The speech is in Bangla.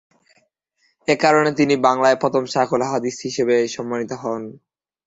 একারণে তিনি বাংলার প্রথম শায়খুল হাদিস হিসেবেও সম্মানিত হন।